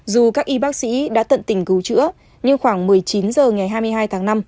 dù các y bác sĩ đã tận tình cứu chữa nhưng khoảng một mươi chín h ngày hai mươi hai tháng năm